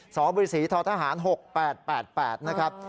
สบศททหาร๖๘๘นะครับ